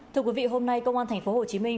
thưa quý vị hôm nay công an thành phố hồ chí minh